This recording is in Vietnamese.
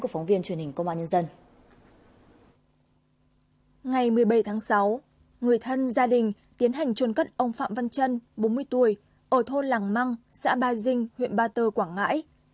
phạm văn trân bốn mươi tuổi ở thôn làng măng xã ba dinh huyện ba tơ quảng ngãi